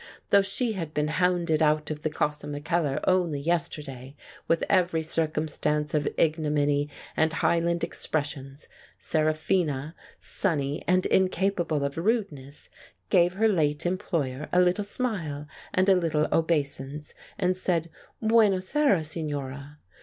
Though she had been hounded out of the Casa Mackellar only yesterday, with every circumstance of ignominy and Highland expressions, Seraphina, sunny and incapable of rude ness, gave her late employer a little smile, and a little obeisance, and said, "Buona sera, Signora